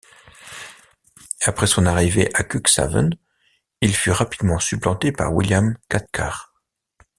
Après son arrivée à Cuxhaven, il fut rapidement supplanté par William Cathcart.